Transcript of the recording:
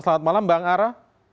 selamat malam bang ara